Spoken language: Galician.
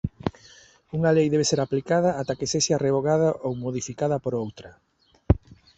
Unha lei debe ser aplicada ata que sexa revogada ou modificada por outra.